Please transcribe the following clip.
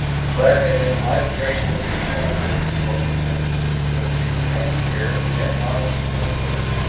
Claire had been highly grateful and laudatory to both of them but she remained here, ten miles from nowhere.